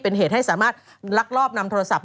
เป็นเหตุให้สามารถลักลอบนำโทรศัพ